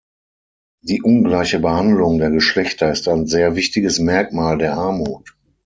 Die ungleiche Behandlung der Geschlechter ist ein sehr wichtiges Merkmal der Armut.